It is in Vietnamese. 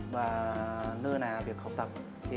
và nơ nà việc học tập